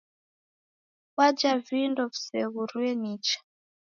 Waja vindo visew'urue nicha